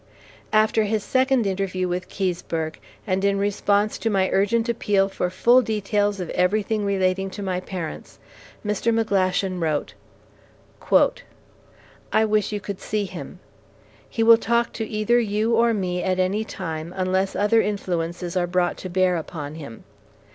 After his second interview with Keseberg and in response to my urgent appeal for full details of everything relating to my parents, Mr. McGlashan wrote: I wish you could see him. He will talk to either you or me at any time, unless other influences are brought to bear upon him.